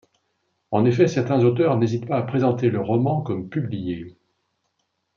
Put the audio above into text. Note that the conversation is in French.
En effet, certains auteurs n'hésitent pas à présenter le roman comme publié.